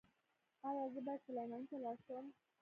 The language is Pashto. ایا زه باید سلماني ته لاړ شم؟